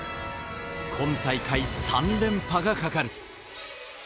今大会３連覇がかかる。